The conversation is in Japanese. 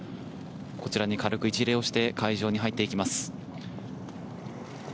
こちらに軽く一礼をして会場に入っていきます。